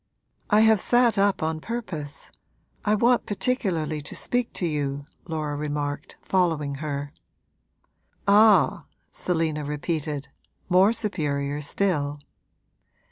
'I have sat up on purpose I want particularly to speak to you,' Laura remarked, following her. 'Ah!' Selina repeated, more superior still.